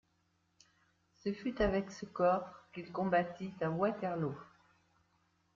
Ce fut avec ce corps qu'il combattit à Waterloo.